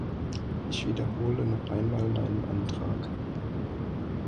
Ich wiederhole noch einmal meinen Antrag.